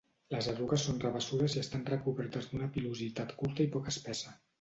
Les erugues són rabassudes i estan recobertes d'una pilositat curta i poc espessa.